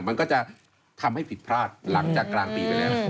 มันก็จะทำให้ผิดพลาดหลังจากกลางปีไปแล้ว